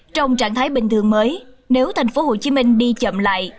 trong trạng thái bình thường mới nếu tp hcm đi chậm lại